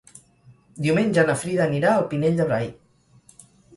Diumenge na Frida anirà al Pinell de Brai.